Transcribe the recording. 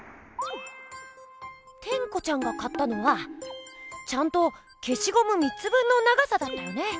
テンコちゃんが買ったのはちゃんとけしごむ３つ分の長さだったよね。